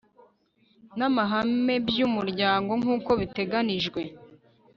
n amahame by umuryango nkuko biteganijwe